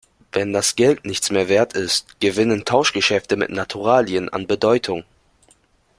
Wenn das Geld nichts mehr Wert ist, gewinnen Tauschgeschäfte mit Naturalien an Bedeutung.